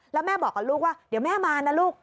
แล้วแม่บอกกับลูกว่าเดี๋ยวแม่มานะลูก